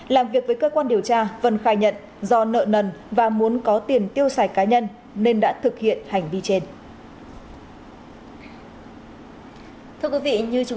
làm việc với cơ quan điều tra vân khai nhận do nợ nần và muốn có tiền tiêu xài cá nhân nên đã thực hiện hành vi trên